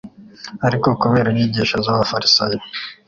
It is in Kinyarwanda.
ariko kubera inyigisho z'abafarisayo,